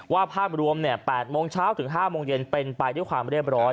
ภาพรวม๘โมงเช้าถึง๕โมงเย็นเป็นไปด้วยความเรียบร้อย